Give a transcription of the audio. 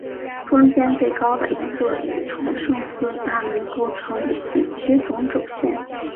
中间最高的一座与崇圣寺大门构成景区中轴线。